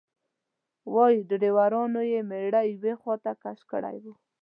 وایي ډریورانو یې میړه یوې خواته کش کړی و.